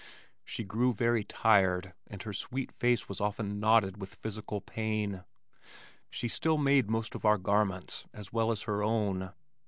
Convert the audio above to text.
She grew very tired and her sweet face was often knotted with physical pain. She still made most of our garments as well as her own.